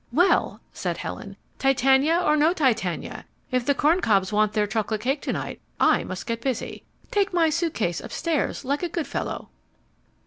"Well," said Helen; "Titania or no Titania, if the Corn Cobs want their chocolate cake to night, I must get busy. Take my suitcase upstairs like a good fellow."